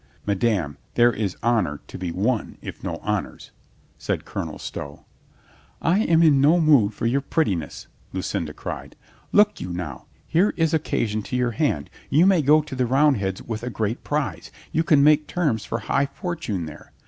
"Madame, there is honor to be won if no honors," said Colonel Stow. "I am in no mood for your prettiness," Lucinda cried. "Look you now. Here is occasion to your hand. You may go to the Roundheads with a great prize. You can make terms for high fortune there.